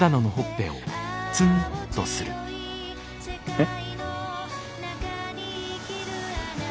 えっ。